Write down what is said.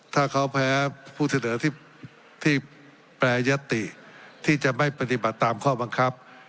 ถ้าเขาแพ้ผู้เสนอที่แปรยติที่จะไม่ปฏิบัติตามข้อบังคับ